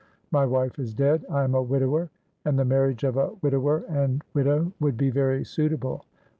My wife is dead. I am a widower, and the marriage of a widower and widow would be very suitable.'